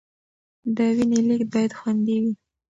د وینې لیږد باید خوندي وي.